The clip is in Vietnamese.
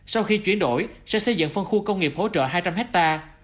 sau khi chuyển đổi sẽ xây dựng phân khu công nghiệp hỗ trợ hai trăm linh hectare